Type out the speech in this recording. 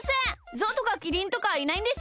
ゾウとかキリンとかいないんですか？